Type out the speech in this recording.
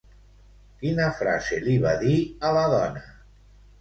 Quina frase li va dir a la dona?